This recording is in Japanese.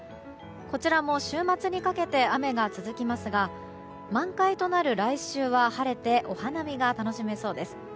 こちらも週末にかけて雨が続きますが満開となる来週は晴れてお花見が楽しめそうです。